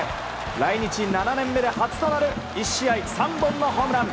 来日７年目で初となる１試合３本のホームラン。